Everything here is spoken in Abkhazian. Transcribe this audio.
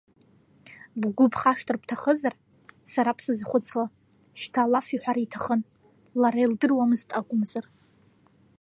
Бгәы бхашҭыр бҭахызар, сара бсызхәцла, шьҭа алаф иҳәар иҭахын, лара илдыруамызт акәымзар.